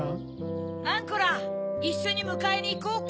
アンコラいっしょにむかえにいこうか！